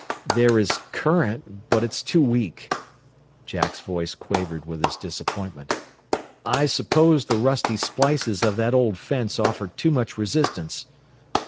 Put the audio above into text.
"There is current, but it's too weak." Jack's voice quavered with his disappointment. "I suppose the rusty splices of that old fence offer too much resistance.